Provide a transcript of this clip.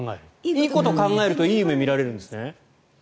いいことを考えるといい夢を見られるんですね。